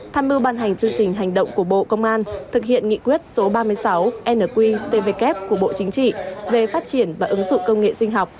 tham mưu ban hành chương trình hành động của bộ công an thực hiện nghị quyết số ba mươi sáu nqtvk của bộ chính trị về phát triển và ứng dụng công nghệ sinh học